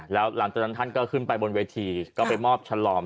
แล้วหลังจากนั้นท่านก็ขึ้นไปบนเวทีก็ไปมอบฉลอม